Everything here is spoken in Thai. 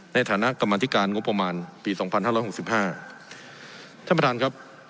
ในฐานะกรรมธิการงบประมาณปีสองพันห้าร้อยหกสิบห้าท่านประธานครับ